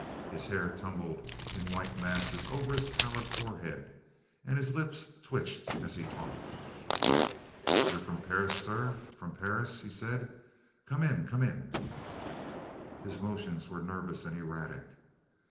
His hair tumbled in white masses over his pallid forehead, and his lips twitched as he talked. "You 're from Paris, sir, from Paris?" he said. "Come in, come in." His motions were nervous and erratic.